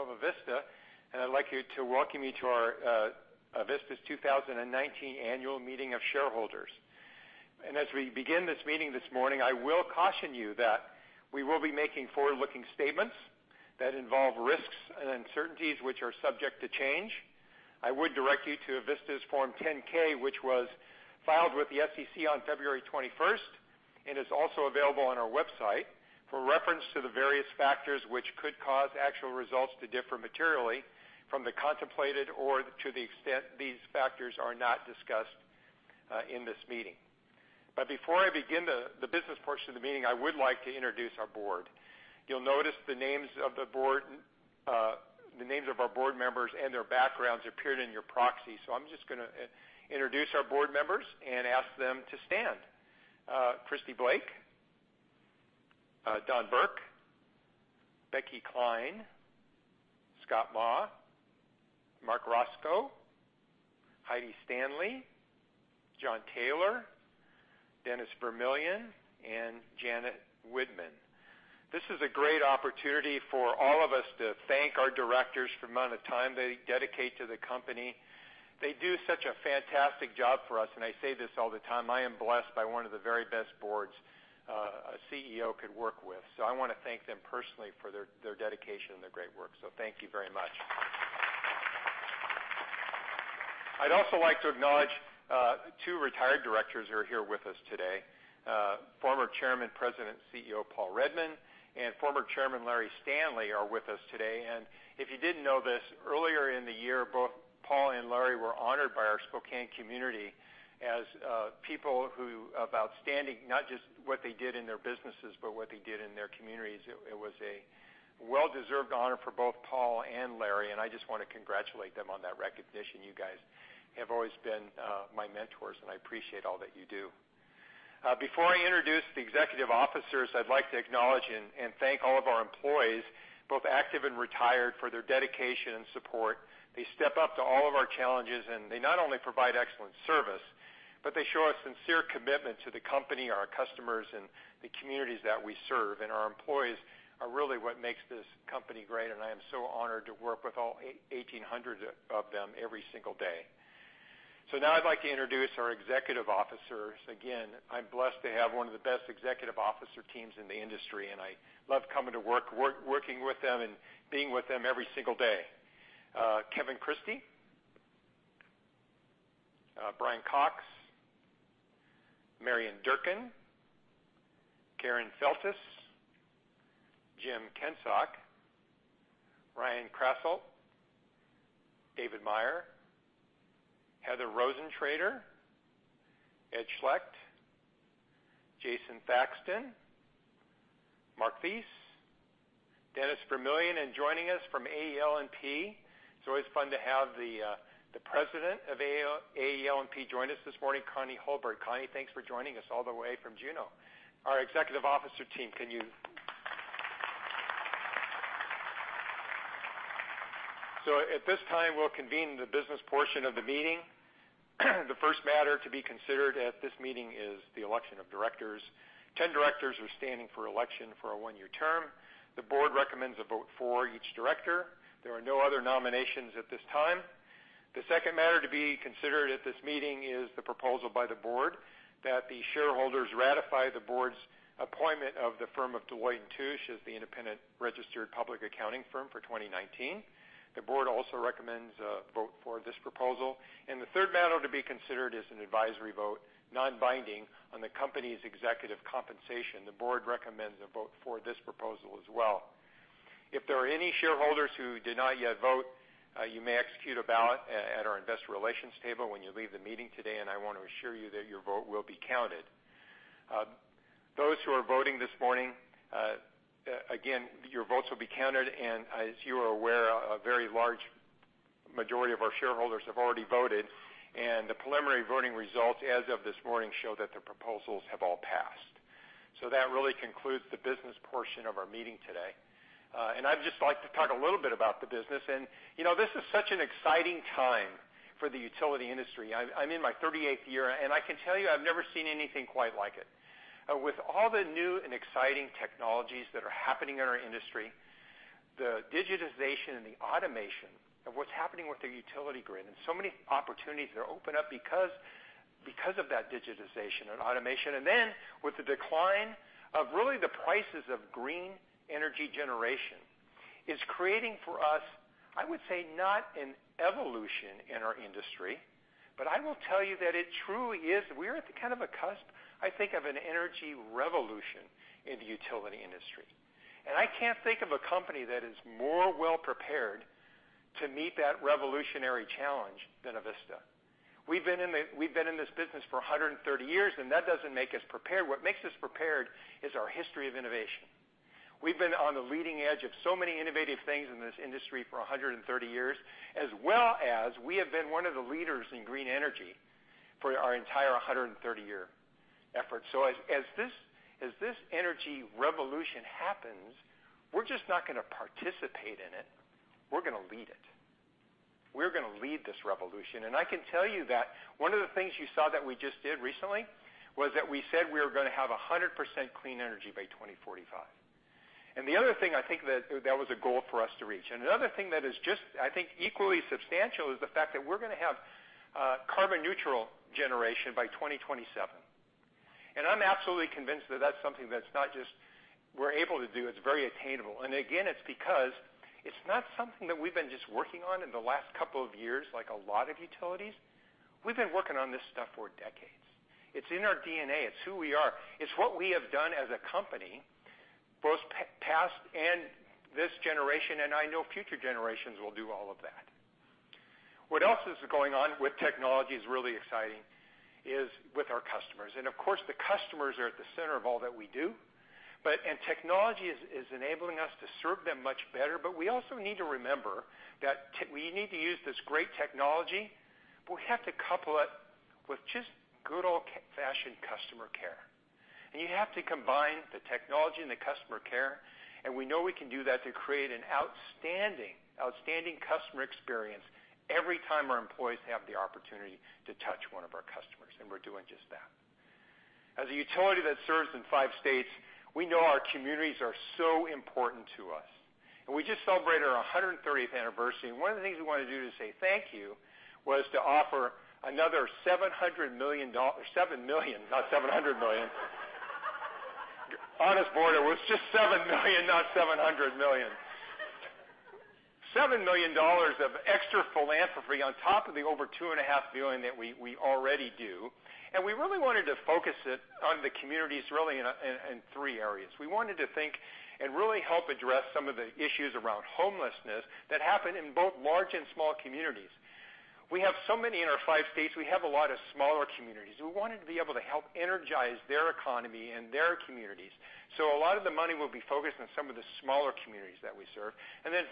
CEO of Avista, I'd like to welcome you to our Avista's 2019 Annual Meeting of Shareholders. As we begin this meeting this morning, I will caution you that we will be making forward-looking statements that involve risks and uncertainties which are subject to change. I would direct you to Avista's Form 10-K, which was filed with the SEC on February 21st, and is also available on our website for reference to the various factors which could cause actual results to differ materially from the contemplated or to the extent these factors are not discussed in this meeting. Before I begin the business portion of the meeting, I would like to introduce our board. You'll notice the names of our board members and their backgrounds appeared in your proxy. I'm just going to introduce our board members and ask them to stand. Christy Blake, Don Burke, Becky Klein, Scott Maw, Marc Racicot, Heidi Stanley, John Taylor, Dennis Vermillion, and Janet Widmann. This is a great opportunity for all of us to thank our directors for the amount of time they dedicate to the company. They do such a fantastic job for us, and I say this all the time, I am blessed by one of the very best boards a CEO could work with. I want to thank them personally for their dedication and their great work. Thank you very much. I'd also like to acknowledge two retired directors who are here with us today. Former Chairman, President, CEO, Paul Redmond, and former Chairman, Larry Stanley, are with us today. If you didn't know this, earlier in the year, both Paul and Larry were honored by our Spokane community as people of outstanding, not just what they did in their businesses, but what they did in their communities. It was a well-deserved honor for both Paul and Larry, and I just want to congratulate them on that recognition. You guys have always been my mentors, and I appreciate all that you do. Before I introduce the executive officers, I'd like to acknowledge and thank all of our employees, both active and retired, for their dedication and support. They step up to all of our challenges, and they not only provide excellent service, but they show a sincere commitment to the company, our customers, and the communities that we serve. Our employees are really what makes this company great, and I am so honored to work with all 1,800 of them every single day. Now I'd like to introduce our executive officers. I'm blessed to have one of the best executive officer teams in the industry, and I love coming to work, working with them, and being with them every single day. Kevin Christie, Bryan Cox, Marian Durkin, Karen Feltes, Jim Kensok, Ryan Krasselt, David Meyer, Heather Rosentrater, Ed Schlect, Jason Thackston, Mark Thies, Dennis Vermillion, and joining us from AEL&P, it's always fun to have the President of AEL&P join us this morning, Connie Hulbert. Connie, thanks for joining us all the way from Juneau. Our executive officer team. At this time, we'll convene the business portion of the meeting. The first matter to be considered at this meeting is the election of directors. 10 directors are standing for election for a one-year term. The board recommends a vote for each director. There are no other nominations at this time. The second matter to be considered at this meeting is the proposal by the board that the shareholders ratify the board's appointment of the firm of Deloitte & Touche as the independent registered public accounting firm for 2019. The board also recommends a vote for this proposal. The third matter to be considered is an advisory vote, non-binding, on the company's executive compensation. The board recommends a vote for this proposal as well. If there are any shareholders who did not yet vote, you may execute a ballot at our investor relations table when you leave the meeting today, and I want to assure you that your vote will be counted. Those who are voting this morning, again, your votes will be counted, and as you are aware, a very large majority of our shareholders have already voted, and the preliminary voting results as of this morning show that the proposals have all passed. That really concludes the business portion of our meeting today. I'd just like to talk a little bit about the business. This is such an exciting time for the utility industry. I'm in my 38th year, and I can tell you I've never seen anything quite like it. With all the new and exciting technologies that are happening in our industry, the digitization and the automation of what's happening with the utility grid, and so many opportunities that are opened up because of that digitization and automation. Then with the decline of really the prices of green energy generation, is creating for us, I would say, not an evolution in our industry, but I will tell you that it truly is, we are at the cusp, I think, of an energy revolution in the utility industry. I can't think of a company that is more well-prepared to meet that revolutionary challenge than Avista. We've been in this business for 130 years, and that doesn't make us prepared. What makes us prepared is our history of innovation. We've been on the leading edge of so many innovative things in this industry for 130 years, as well as we have been one of the leaders in green energy for our entire 130-year effort. As this energy revolution happens, we're just not going to participate in it, we're going to lead it. We're going to lead this revolution. I can tell you that one of the things you saw that we just did recently, was that we said we were going to have 100% clean energy by 2045. The other thing, I think that was a goal for us to reach. Another thing that is just, I think, equally substantial is the fact that we're going to have carbon neutral generation by 2027. I'm absolutely convinced that that's something that's not just we're able to do, it's very attainable. Again, it's because it's not something that we've been just working on in the last couple of years like a lot of utilities. We've been working on this stuff for decades. It's in our DNA. It's who we are. It's what we have done as a company, both past and this generation, and I know future generations will do all of that. What else is going on with technology is really exciting is with our customers. Of course, the customers are at the center of all that we do, and technology is enabling us to serve them much better. We also need to remember that we need to use this great technology, but we have to couple it with just good old-fashioned customer care. You have to combine the technology and the customer care, and we know we can do that to create an outstanding customer experience every time our employees have the opportunity to touch one of our customers, and we're doing just that. As a utility that serves in five states, we know our communities are so important to us. We just celebrated our 130th anniversary. One of the things we wanted to do to say thank you, was to offer another $700 million. $7 million, not $700 million. Honest, board, it was just $7 million, not $700 million. $7 million of extra philanthropy on top of the over $2.5 million that we already do. We really wanted to focus it on the communities, really in three areas. We wanted to think and really help address some of the issues around homelessness that happen in both large and small communities. We have so many in our five states. We have a lot of smaller communities. We wanted to be able to help energize their economy and their communities. A lot of the money will be focused on some of the smaller communities that we serve.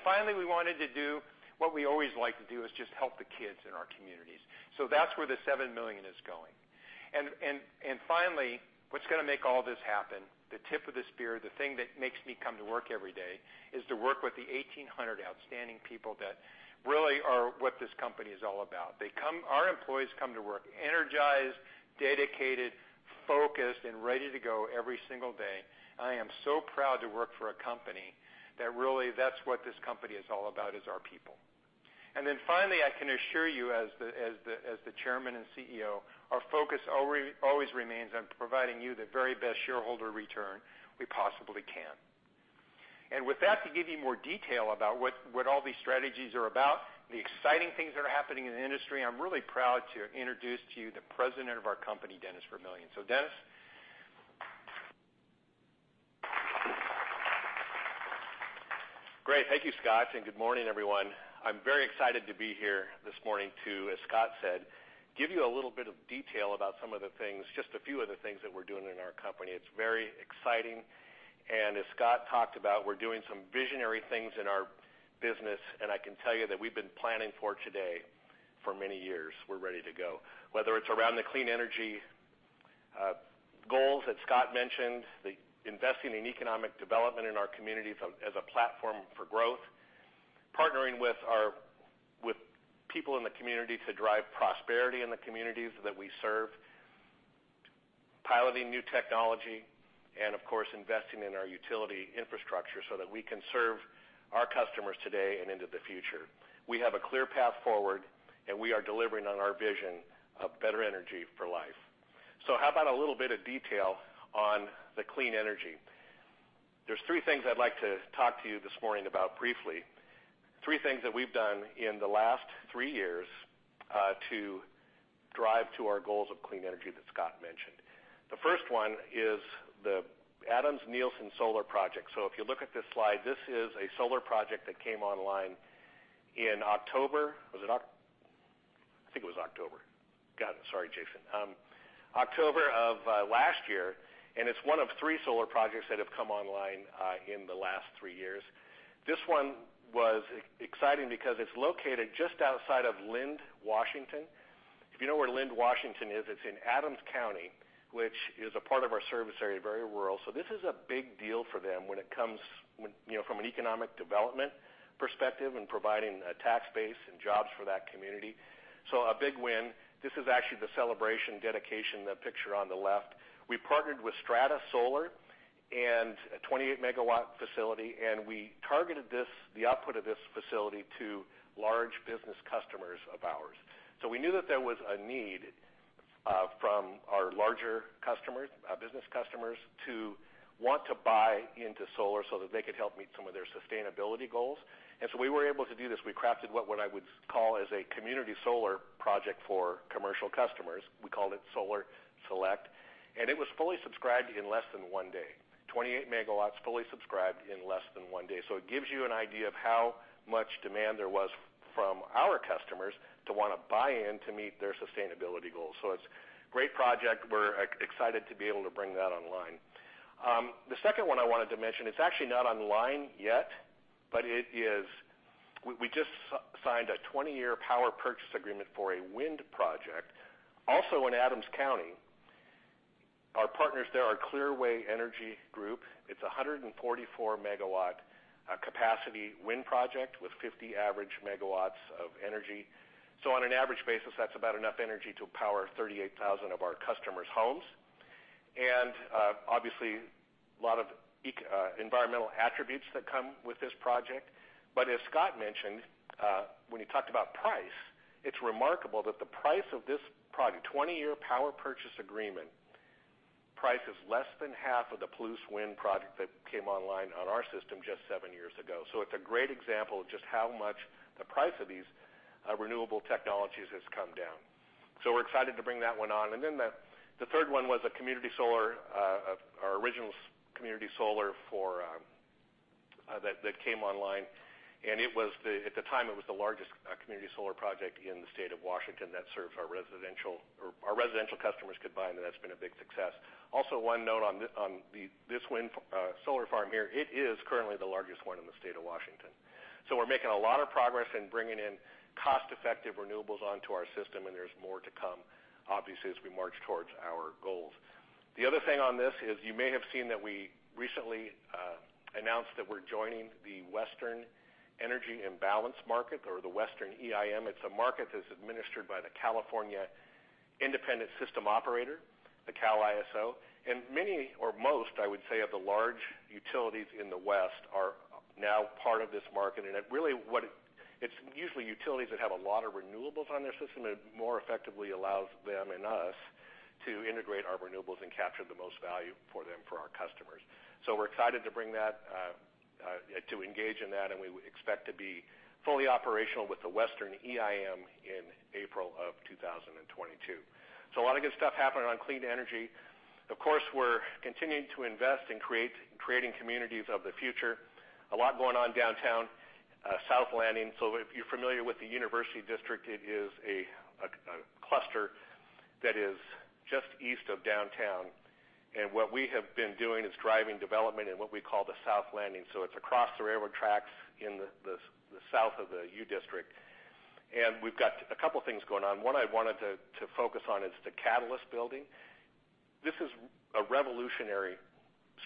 Finally, we wanted to do what we always like to do, is just help the kids in our communities. That's where the $7 million is going. Finally, what's going to make all this happen, the tip of the spear, the thing that makes me come to work every day, is to work with the 1,800 outstanding people that really are what this company is all about. Our employees come to work energized, dedicated, focused, and ready to go every single day. I am so proud to work for a company that really, that's what this company is all about, is our people. Finally, I can assure you as the Chairman and CEO, our focus always remains on providing you the very best shareholder return we possibly can. With that, to give you more detail about what all these strategies are about, the exciting things that are happening in the industry, I'm really proud to introduce to you the President of our company, Dennis Vermillion. Dennis? Great. Thank you, Scott, and good morning, everyone. I'm very excited to be here this morning to, as Scott said, give you a little bit of detail about some of the things, just a few of the things that we're doing in our company. It's very exciting. As Scott talked about, we're doing some visionary things in our business, and I can tell you that we've been planning for today for many years. We're ready to go. Whether it's around the clean energy goals that Scott mentioned, the investing in economic development in our communities as a platform for growth, partnering with people in the community to drive prosperity in the communities that we serve, piloting new technology, and of course, investing in our utility infrastructure so that we can serve our customers today and into the future. We have a clear path forward, and we are delivering on our vision of better energy for life. How about a little bit of detail on the clean energy? There's three things I'd like to talk to you this morning about briefly. Three things that we've done in the last three years, to drive to our goals of clean energy that Scott mentioned. The first one is the Adams-Nielson solar project. If you look at this slide, this is a solar project that came online in October. I think it was October. God, sorry, Jason. October of last year, and it's one of three solar projects that have come online in the last three years. This one was exciting because it's located just outside of Lind, Washington. If you know where Lind, Washington is, it's in Adams County, which is a part of our service area, very rural. This is a big deal for them when it comes from an economic development perspective and providing a tax base and jobs for that community. A big win. This is actually the celebration dedication, the picture on the left. We partnered with Strata Clean Energy and a 28-megawatt facility, and we targeted the output of this facility to large business customers of ours. We knew that there was a need from our larger customers, our business customers, to want to buy into solar so that they could help meet some of their sustainability goals. We were able to do this. We crafted what I would call is a community solar project for commercial customers. We called it Solar Select, and it was fully subscribed in less than one day. 28 megawatts fully subscribed in less than one day. It gives you an idea of how much demand there was from our customers to want to buy in to meet their sustainability goals. It's a great project. We're excited to be able to bring that online. The second one I wanted to mention, it's actually not online yet, but we just signed a 20-year power purchase agreement for a wind project, also in Adams County. Our partners there are Clearway Energy Group. It's a 144-megawatt capacity wind project with 50 average megawatts of energy. On an average basis, that's about enough energy to power 38,000 of our customers' homes. Obviously, a lot of environmental attributes that come with this project. As Scott mentioned, when he talked about price, it's remarkable that the price of this project, 20-year power purchase agreement price is less than half of the Palouse Wind Project that came online on our system just seven years ago. It's a great example of just how much the price of these renewable technologies has come down. We're excited to bring that one on. The third one was our original community solar that came online, and at the time, it was the largest community solar project in the state of Washington that served our residential customers could buy into. That's been a big success. Also, one note on this solar farm here, it is currently the largest one in the state of Washington. We're making a lot of progress in bringing in cost-effective renewables onto our system, and there's more to come, obviously, as we march towards our goals. The other thing on this is you may have seen that we recently announced that we're joining the Western Energy Imbalance Market or the Western EIM. It's a market that's administered by the California Independent System Operator, the Cal ISO, and many or most, I would say, of the large utilities in the West are now part of this market. It's usually utilities that have a lot of renewables on their system, and it more effectively allows them and us to integrate our renewables and capture the most value for them, for our customers. We're excited to engage in that, and we expect to be fully operational with the Western EIM in April 2022. A lot of good stuff happening on clean energy. Of course, we're continuing to invest in creating communities of the future. A lot going on downtown, South Landing. If you're familiar with the University District, it is a cluster that is just east of downtown. What we have been doing is driving development in what we call the South Landing. It's across the railroad tracks in the south of the U District, and we've got a couple things going on. One I wanted to focus on is the Catalyst building. This is a revolutionary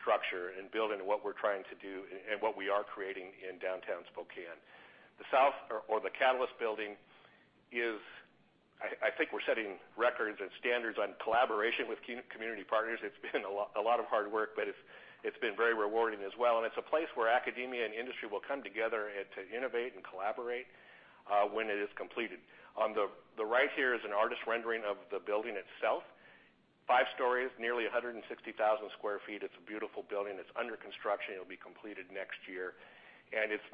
structure in building what we're trying to do and what we are creating in downtown Spokane. The Catalyst building, I think we're setting records and standards on collaboration with community partners. It's been a lot of hard work, it's been very rewarding as well, it's a place where academia and industry will come together to innovate and collaborate when it is completed. On the right here is an artist rendering of the building itself. 5 stories, nearly 160,000 sq ft. It's a beautiful building. It's under construction. It'll be completed next year, and it's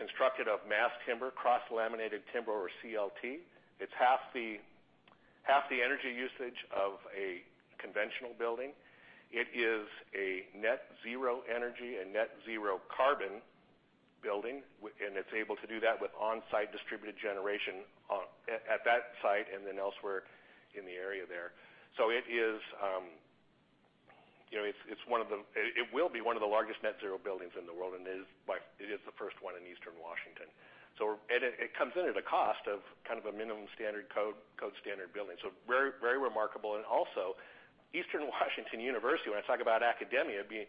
constructed of mass timber, cross-laminated timber or CLT. It's half the energy usage of a conventional building. It is a net zero energy and net zero carbon building, and it's able to do that with on-site distributed generation at that site and then elsewhere in the area there. It will be one of the largest net zero buildings in the world, and it is the first one in Eastern Washington. It comes in at a cost of a minimum code standard building. Very remarkable. Also, Eastern Washington University, when I talk about academia being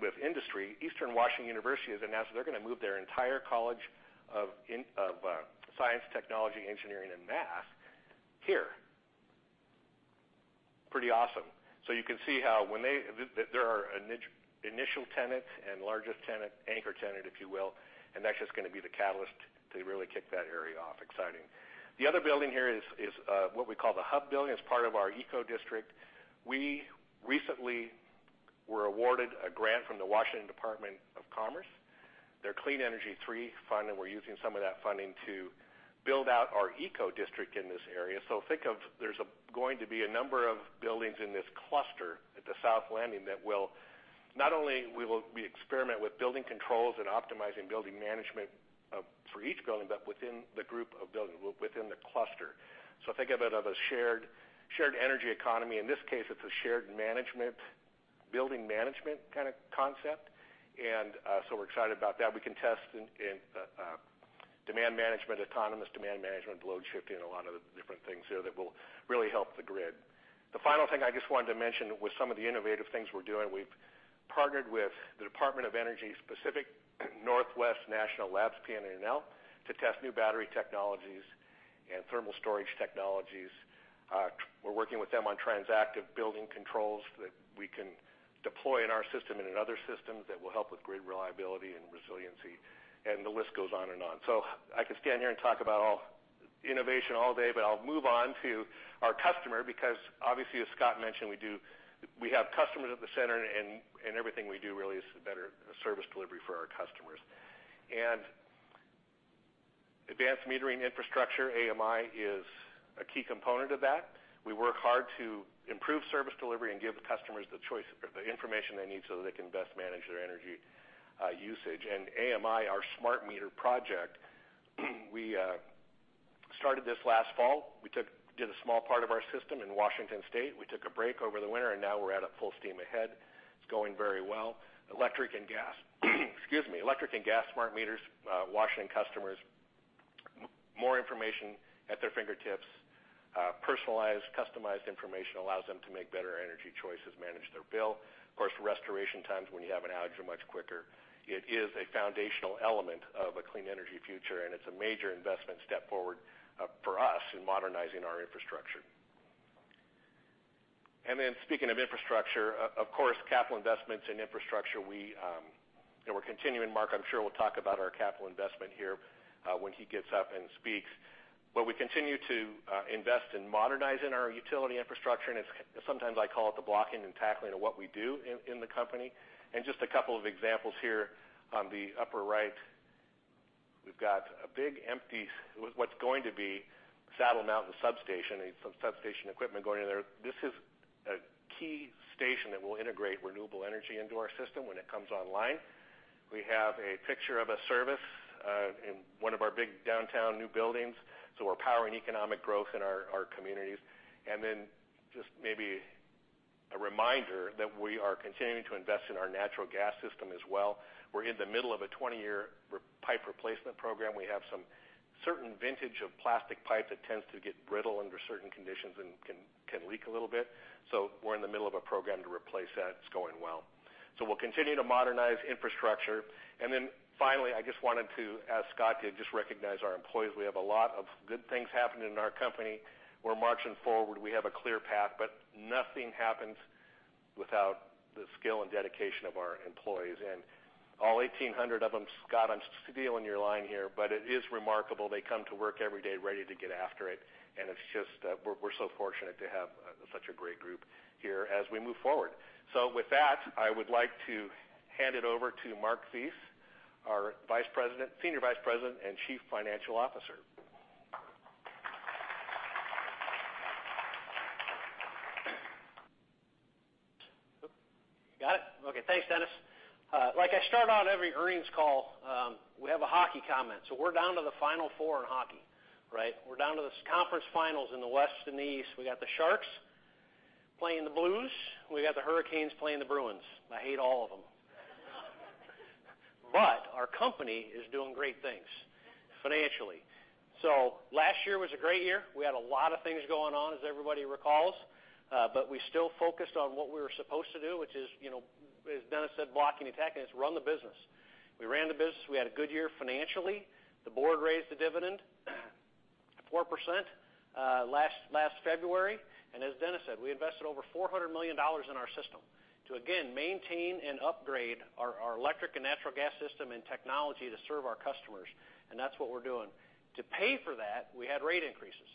with industry, Eastern Washington University has announced that they're going to move their entire College of Science, Technology, Engineering, and Math here. Pretty awesome. You can see how they are an initial tenant and largest tenant, anchor tenant, if you will, and that's just going to be the catalyst to really kick that area off. Exciting. The other building here is what we call the Hub building. It's part of our eco-district. We recently were awarded a grant from the Washington State Department of Commerce, their Clean Energy 3 Fund, and we're using some of that funding to build out our eco-district in this area. Think of, there's going to be a number of buildings in this cluster at the South Landing that not only will we experiment with building controls and optimizing building management for each building, but within the group of buildings, within the cluster. Think of it as a shared energy economy. In this case, it's a shared building management kind of concept, and we're excited about that. We can test autonomous demand management, load shifting, a lot of different things there that will really help the grid. The final thing I just wanted to mention was some of the innovative things we're doing. We've partnered with the Department of Energy's Pacific Northwest National Labs, PNNL, to test new battery technologies and thermal storage technologies. We're working with them on transactive building controls that we can deploy in our system and in other systems that will help with grid reliability and resiliency, and the list goes on and on. I could stand here and talk about innovation all day, but I'll move on to our customer because obviously, as Scott mentioned, we have customers at the center, and everything we do really is better service delivery for our customers. Advanced metering infrastructure, AMI, is a key component of that. We work hard to improve service delivery and give customers the information they need so they can best manage their energy usage. AMI, our smart meter project, we started this last fall. We did a small part of our system in Washington state. We took a break over the winter, and now we're at a full steam ahead. It's going very well. Electric and gas smart meters, Washington customers. More information at their fingertips. Personalized, customized information allows them to make better energy choices, manage their bill. Of course, restoration times when you have an outage are much quicker. It is a foundational element of a clean energy future, and it's a major investment step forward for us in modernizing our infrastructure. Speaking of infrastructure, of course, capital investments in infrastructure, we're continuing. Mark, I'm sure will talk about our capital investment here when he gets up and speaks. We continue to invest in modernizing our utility infrastructure, and sometimes I call it the blocking and tackling of what we do in the company. Just a couple of examples here on the upper right, we've got a big empty, what's going to be Saddle Mountain substation and some substation equipment going in there. This is a key station that will integrate renewable energy into our system when it comes online. We have a picture of a service in one of our big downtown new buildings. We're powering economic growth in our communities. Just maybe a reminder that we are continuing to invest in our natural gas system as well. We're in the middle of a 20-year pipe replacement program. We have some certain vintage of plastic pipe that tends to get brittle under certain conditions and can leak a little bit. We're in the middle of a program to replace that. It's going well. We'll continue to modernize infrastructure. Finally, I just wanted to ask Scott to just recognize our employees. We have a lot of good things happening in our company. We're marching forward. We have a clear path, nothing happens without the skill and dedication of our employees and all 1,800 of them. Scott, I'm stealing your line here, but it is remarkable. They come to work every day ready to get after it, we're so fortunate to have such a great group here as we move forward. With that, I would like to hand it over to Mark Thies, our Senior Vice President and Chief Financial Officer. Got it? Okay. Thanks, Dennis Vermillion. Like I start out every earnings call, we have a hockey comment. We're down to the final four in hockey, right? We're down to the conference finals in the West and the East. We got the San Jose Sharks playing the St. Louis Blues. We got the Carolina Hurricanes playing the Boston Bruins. I hate all of them. Our company is doing great things financially. Last year was a great year. We had a lot of things going on, as everybody recalls. We still focused on what we were supposed to do, which is, as Dennis Vermillion said, blocking and tackling. It's run the business. We ran the business. We had a good year financially. The board raised the dividend 4% last February. As Dennis Vermillion said, we invested over $400 million in our system to, again, maintain and upgrade our electric and natural gas system and technology to serve our customers. That's what we're doing. To pay for that, we had rate increases.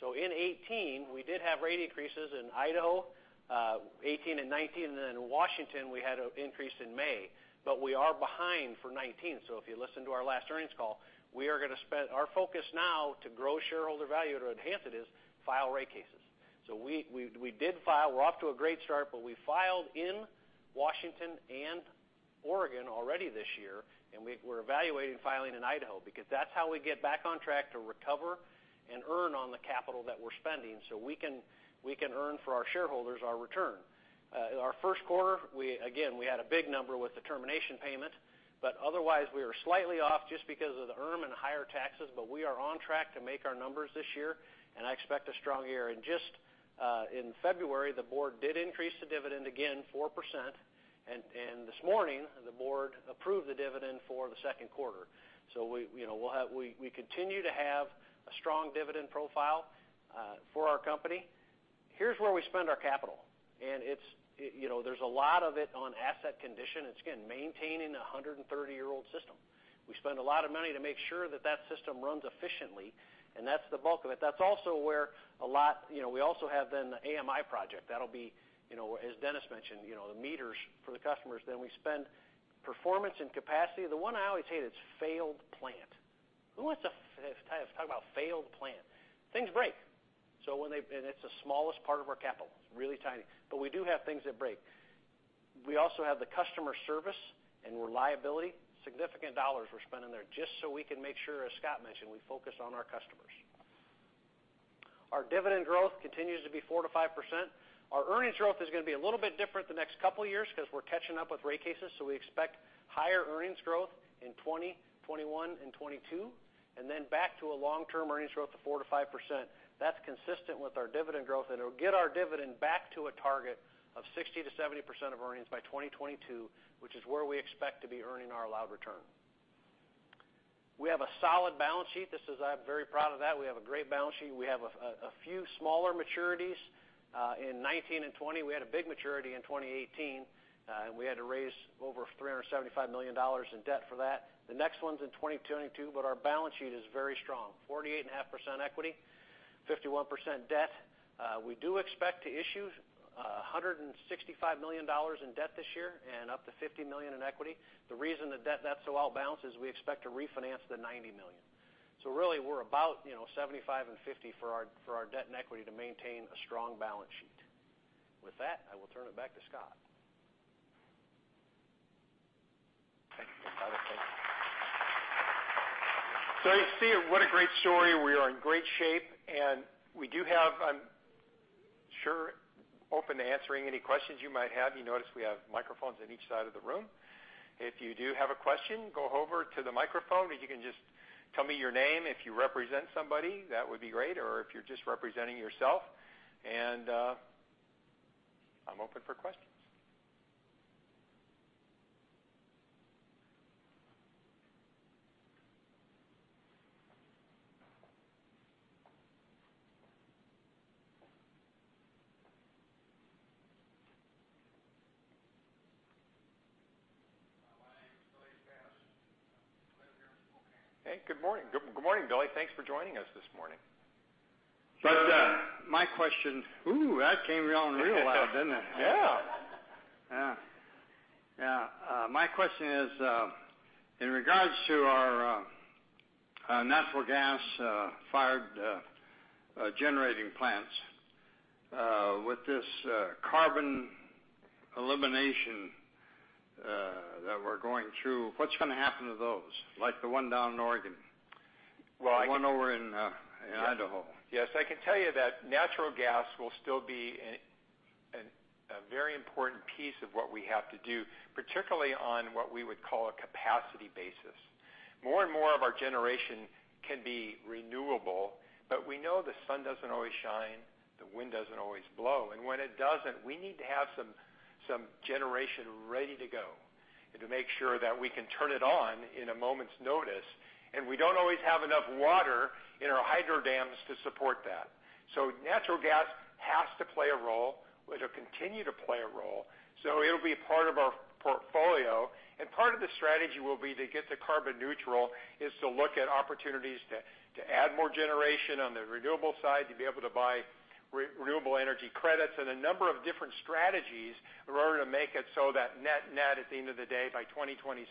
In 2018, we did have rate increases in Idaho, 2018 and 2019, in Washington, we had an increase in May. We are behind for 2019. If you listen to our last earnings call, we are going to spend our focus now to grow shareholder value, to enhance it is file rate cases. We did file. We're off to a great start, but we filed in Washington and Oregon already this year, and we're evaluating filing in Idaho because that's how we get back on track to recover and earn on the capital that we're spending so we can earn for our shareholders our return. Our first quarter, again, we had a big number with the termination payment, but otherwise we are slightly off just because of the ERM and higher taxes. We are on track to make our numbers this year, and I expect a strong year. Just in February, the board did increase the dividend again 4%. This morning, the board approved the dividend for the second quarter. We continue to have a strong dividend profile for our company. Here's where we spend our capital, and there's a lot of it on asset condition. It's, again, maintaining a 130-year-old system. We spend a lot of money to make sure that that system runs efficiently, and that's the bulk of it. That's also where we also have the AMI project. That'll be, as Dennis mentioned, the meters for the customers. We spend performance and capacity. The one I always hate, it's failed plant. Who wants to talk about failed plant? Things break. It's the smallest part of our capital. It's really tiny. We do have things that break. We also have the customer service and reliability. Significant dollars we're spending there just so we can make sure, as Scott mentioned, we focus on our customers. Our dividend growth continues to be 4%-5%. Our earnings growth is going to be a little bit different the next couple of years because we're catching up with rate cases. We expect higher earnings growth in 2020, 2021, and 2022, and then back to a long-term earnings growth of 4%-5%. That's consistent with our dividend growth, and it'll get our dividend back to a target of 60%-70% of earnings by 2022, which is where we expect to be earning our allowed return. We have a solid balance sheet. I'm very proud of that. We have a great balance sheet. We have a few smaller maturities in 2019 and 2020. We had a big maturity in 2018. We had to raise over $375 million in debt for that. The next one's in 2022, our balance sheet is very strong, 48.5% equity, 51% debt. We do expect to issue $165 million in debt this year and up to $50 million in equity. The reason the debt nets so well balanced is we expect to refinance the $90 million. Really, we're about $75 and $50 for our debt and equity to maintain a strong balance sheet. With that, I will turn it back to Scott. Thank you. You see what a great story. We are in great shape, and we do have an Sure. Open to answering any questions you might have. You notice we have microphones on each side of the room. If you do have a question, go over to the microphone, and you can just tell me your name. If you represent somebody, that would be great, or if you're just representing yourself. I'm open for questions. My name is Billy Pass. I live here in Spokane. Hey, good morning, Billy. Thanks for joining us this morning. My question-- ooh, that came on real loud, didn't it? Yeah. Yeah. My question is, in regards to our natural gas-fired generating plants, with this carbon elimination that we're going through, what's going to happen to those, like the one down in Oregon? Well. The one over in Idaho. Yes. I can tell you that natural gas will still be a very important piece of what we have to do, particularly on what we would call a capacity basis. More and more of our generation can be renewable, but we know the sun doesn't always shine, the wind doesn't always blow. When it doesn't, we need to have some generation ready to go, and to make sure that we can turn it on in a moment's notice. We don't always have enough water in our hydro dams to support that. Natural gas has to play a role. It'll continue to play a role. It'll be a part of our portfolio. Part of the strategy will be to get to carbon neutral, is to look at opportunities to add more generation on the renewable side, to be able to buy renewable energy credits and a number of different strategies in order to make it so that net at the end of the day, by 2027,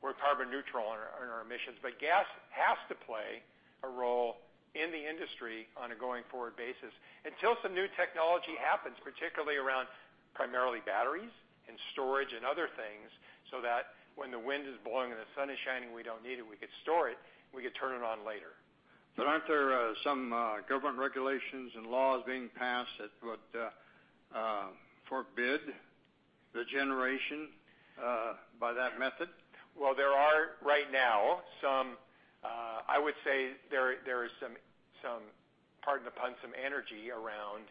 we're carbon neutral on our emissions. Gas has to play a role in the industry on a going forward basis. Until some new technology happens, particularly around primarily batteries and storage and other things, so that when the wind is blowing and the sun is shining, we don't need it, we could store it, we could turn it on later. Aren't there some government regulations and laws being passed that would forbid the generation by that method? Well, there are right now some, I would say, there is some, pardon the pun, some energy around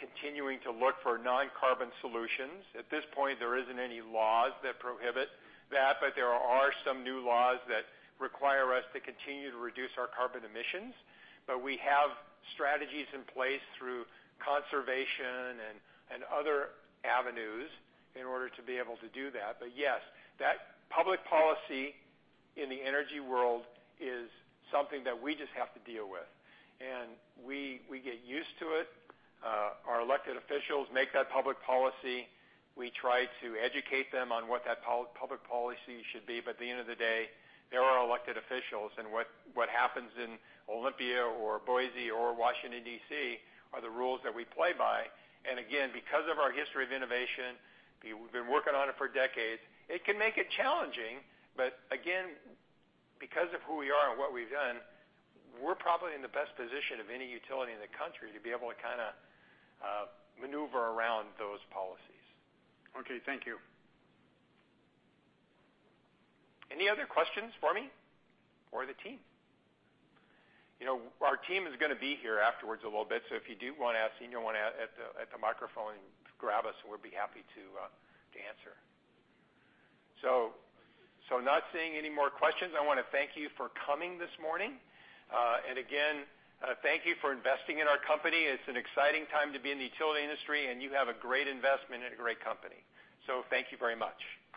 continuing to look for non-carbon solutions. At this point, there isn't any laws that prohibit that, but there are some new laws that require us to continue to reduce our carbon emissions. We have strategies in place through conservation and other avenues in order to be able to do that. Yes, that public policy in the energy world is something that we just have to deal with. We get used to it. Our elected officials make that public policy. We try to educate them on what that public policy should be, but at the end of the day, they're our elected officials, and what happens in Olympia or Boise or Washington, D.C., are the rules that we play by. Because of our history of innovation, we've been working on it for decades. It can make it challenging, but again, because of who we are and what we've done, we're probably in the best position of any utility in the country to be able to kind of maneuver around those policies. Okay. Thank you. Any other questions for me or the team? Our team is going to be here afterwards a little bit, so if you do want to ask anyone at the microphone, grab us and we'll be happy to answer. Not seeing any more questions. I want to thank you for coming this morning. Again, thank you for investing in our company. It's an exciting time to be in the utility industry, and you have a great investment and a great company. Thank you very much.